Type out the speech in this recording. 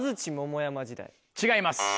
違います